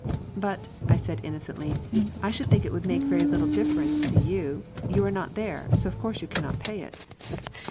"But," I said innocently, "I should think it would make very little difference to you. You are not there, so of course you cannot pay it."